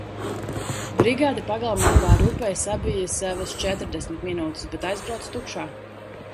Brigāde pagalmā pāri upei sabija savas četrdesmit minūtes, bet aizbrauca tukšā.